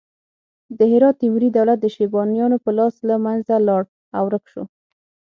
د هرات تیموري دولت د شیبانیانو په لاس له منځه لاړ او ورک شو.